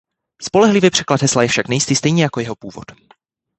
Spolehlivý překlad hesla je však nejistý stejně jako jeho původ.